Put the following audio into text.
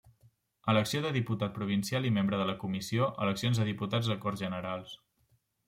Elecció de diputat provincial i membre de la comissió, eleccions a diputats a Corts Generals.